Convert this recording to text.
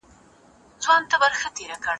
که جرګه وشي نو شخړه نه اوږدیږي.